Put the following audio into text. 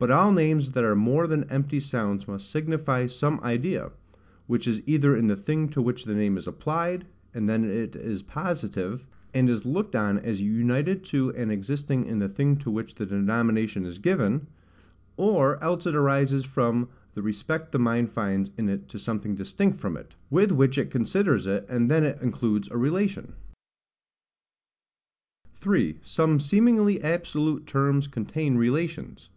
But all names that are more than empty sounds must signify some idea, which is either in the thing to which the name is applied, and then it is positive, and is looked on as united to and existing in the thing to which the denomination is given; or else it arises from the respect the mind finds in it to something distinct from it, with which it considers it, and then it includes a relation. 3. Some seemingly absolute Terms contain Relations.